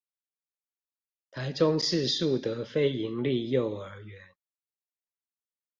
臺中市樹德非營利幼兒園